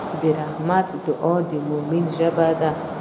د رحمت دعا د مؤمن ژبه ده.